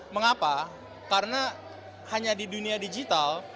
mengapa karena hanya di dunia digital